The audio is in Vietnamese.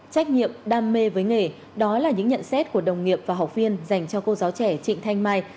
trách nhiệm đam mê với nghề đó là những nhận xét của đồng nghiệp và học viên dành cho cô giáo trẻ trịnh thanh mai